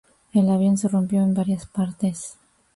El avión se rompió en varias partes.